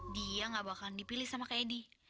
dia nggak bakalan dipilih sama kayak edi